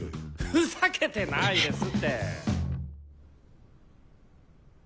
ふざけてないですって。